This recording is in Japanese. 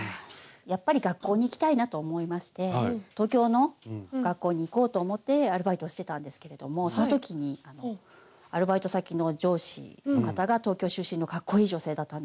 やっぱり学校に行きたいなと思いまして東京の学校に行こうと思ってアルバイトをしてたんですけれどもその時にアルバイト先の上司の方が東京出身のかっこいい女性だったんですけど。